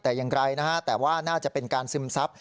แต่อย่างไรนะฮะแต่ว่าน่าจะเป็นการซึมซับ